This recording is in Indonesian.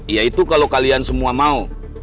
iya itu kalau kalian semua mau